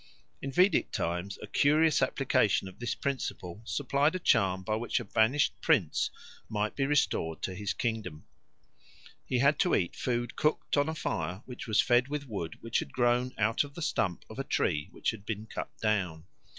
In Vedic times a curious application of this principle supplied a charm by which a banished prince might be restored to his kingdom. He had to eat food cooked on a fire which was fed with wood which had grown out of the stump of a tree which had been cut down.